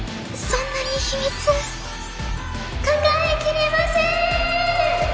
そんなに秘密抱えきれません！